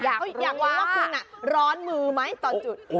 อยากรู้ว่าคุณร้อนมือไหมตอนจุด